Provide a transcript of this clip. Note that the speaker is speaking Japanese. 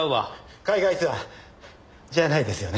海外ツアーじゃないですよね。